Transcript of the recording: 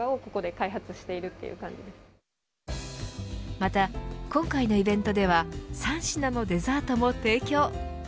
また、今回のイベントでは３品のデザートも提供。